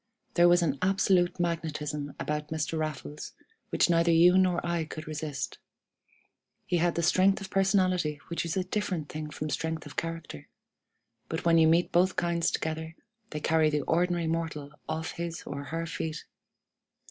There was an absolute magnetism about Mr. Raffles which neither you nor I could resist. He had the strength of personality which is a different thing from strength of character; but when you meet both kinds together, they carry the ordinary mortal off his or her feet.